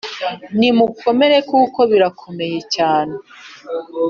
Nimukomere kuko birakomeye cyane